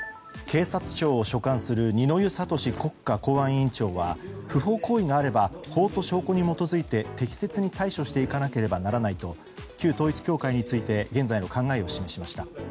警察庁を所管する二之湯智国家公安委員長は不法行為があれば法と証拠に基づいて適切に対処していかなければならないと旧統一教会について現在の考えを示しました。